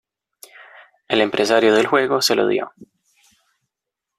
El empresario del juego se lo dio.